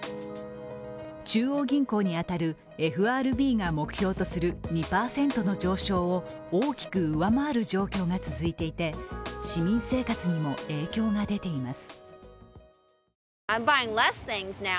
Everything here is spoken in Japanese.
中央銀行に当たるＦＲＢが目標とする２％の上昇を大きく上回る状況が続いていて市民生活にも影響が出ています。